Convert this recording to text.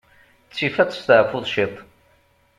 Ttif ad testaɛfuḍ ciṭ.